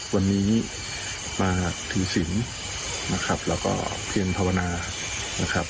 วันนี้มาถือศิลป์นะครับแล้วก็เพียงภาวนานะครับ